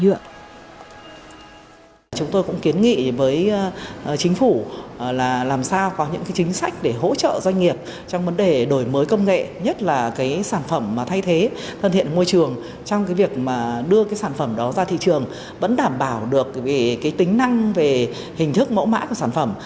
chúng tôi cũng kiến nghị với chính phủ là làm sao có những chính sách để hỗ trợ doanh nghiệp trong vấn đề đổi mới công nghệ nhất là sản phẩm thay thế thân thiện môi trường trong việc đưa sản phẩm đó ra thị trường vẫn đảm bảo được tính năng về hình thức mẫu mã của sản phẩm